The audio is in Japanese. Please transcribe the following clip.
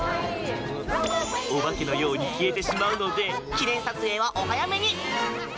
お化けのように消えてしまうので記念撮影はお早めに。